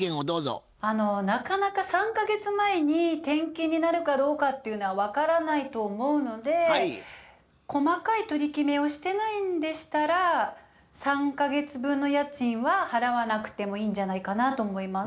なかなか３か月前に転勤になるかどうかっていうのは分からないと思うので細かい取り決めをしてないんでしたら３か月分の家賃は払わなくてもいいんじゃないかなと思います。